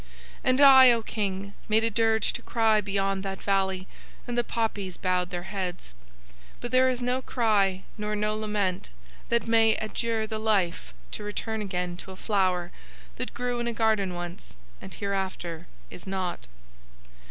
And I, O King, made a dirge to cry beyond that valley and the poppies bowed their heads; but there is no cry nor no lament that may adjure the life to return again to a flower that grew in a garden once and hereafter is not.